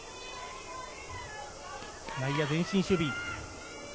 内野前進守備。